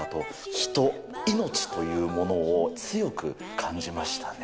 人、命というものを強く感じましたね。